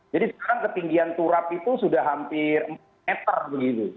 jadi sekarang ketinggian turap itu sudah hampir empat meter begitu